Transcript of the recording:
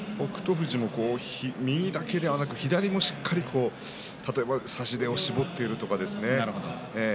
富士も右だけではなく左もしっかり例えば、差し手を絞っていくとかですね